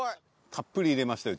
たっぷり入れましたよ